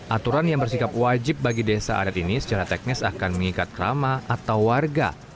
aturan yang bersikap wajib bagi desa adat ini secara teknis akan mengikat krama atau warga